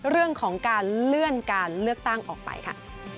เรื่องของการเลื่อนการเลือกตั้งออกไปค่ะ